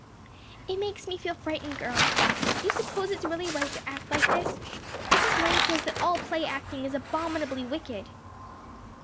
"It makes me feel frightened, girls. Do you suppose it's really right to act like this? Mrs. Lynde says that all play acting is abominably wicked."